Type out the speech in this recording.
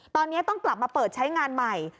ตอนนี้ต้องกลับมาเปิดใช้งานใหม่